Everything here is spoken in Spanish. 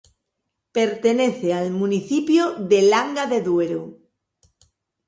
Pertenece al municipio de Langa de Duero.